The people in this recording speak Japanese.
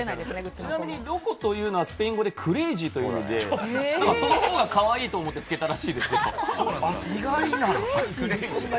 ちなみに、ロコというのはスペイン語でクレイジーという意味でその方がかわいいと思って付けたらしいです。